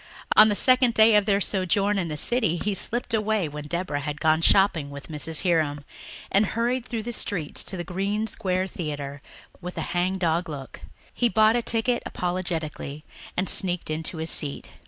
On the second day of their sojourn in the city he slipped away when Deborah had gone shopping with Mrs. Hiram and hurried through the streets to the Green Square Theatre with a hang dog look. He bought a ticket apologetically and sneaked in to his seat.